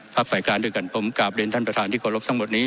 พักฝ่ายการด้วยกันผมกราบเดชน์ท่านประธานที่โครงโลกทั้งหมดนี้